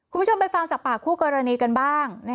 คุณผู้ชมไปฟังจากปากคู่กรณีกันบ้าง